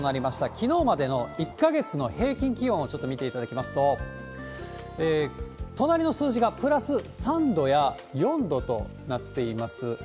きのうまでの１か月の平均気温をちょっと見ていただきますと、隣の数字がプラス３度や４度となっています。